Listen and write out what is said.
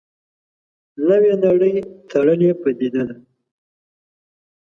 نوې نړۍ تړلې پدیده ده.